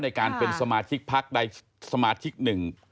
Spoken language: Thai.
ในการเป็นสมาชิกพักใดสมาชิกหนึ่ง